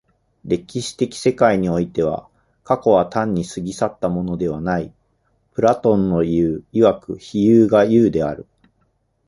歴史的世界においては、過去は単に過ぎ去ったものではない、プラトンのいう如く非有が有である。